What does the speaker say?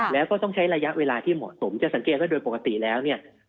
แล้วก็ต้องใช้ระยะเวลาที่เหมาะสมจะสังเกตว่าโดยปกติแล้วเนี่ย